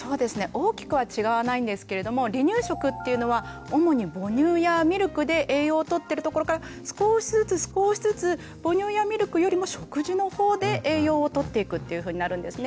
大きくは違わないんですけれども離乳食っていうのは主に母乳やミルクで栄養をとってるところから少しずつ少しずつ母乳やミルクよりも食事の方で栄養をとっていくっていうふうになるんですね。